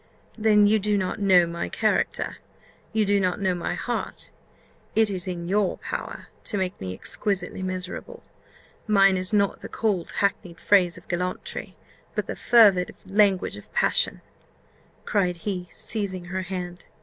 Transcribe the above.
"Then you do not know my character you do not know my heart: it is in your power to make me exquisitely miserable. Mine is not the cold, hackneyed phrase of gallantry, but the fervid language of passion," cried he, seizing her hand.